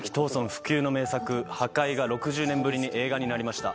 不朽の名作『破戒』が６０年ぶりに映画になりました。